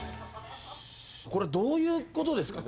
これどういうことですか？